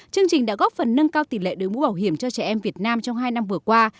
chương trình đã góp phần nâng cao tỷ lệ đối mũ bảo hiểm cho trẻ em việt nam trong hai năm vừa qua